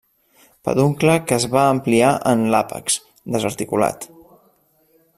Peduncle que es va ampliar en l'àpex; desarticulat.